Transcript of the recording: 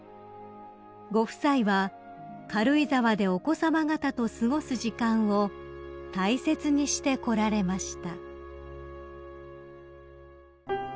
［ご夫妻は軽井沢でお子さま方と過ごす時間を大切にしてこられました］